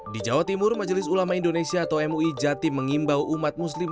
di jawa timur majelis ulama indonesia atau mui jatim mengimbau umat muslim